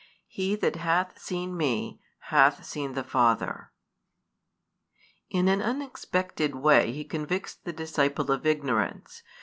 He that hath seen Me hath seen the Father. In an unexpected way He convicts the disciple of ignorance.